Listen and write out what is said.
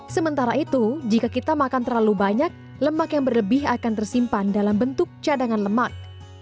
sementara itu jika kita makan terlalu banyak lemak yang berlebih akan tersimpan dalam bentuk cadangan lemak